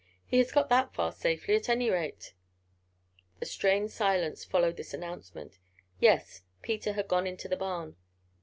"He has got that far safely, at any rate." A strained silence followed this announcement. Yes, Peter had gone into the barn.